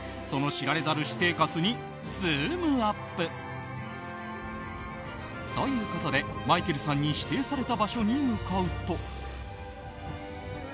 その知られざる私生活にズームＵＰ！ということで、マイケルさんに指定された場所に向かうと。